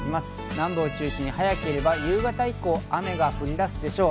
南部を中心に早ければ夕方以降、雨が降り出すでしょう。